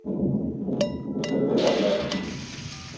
bebo cerveza helada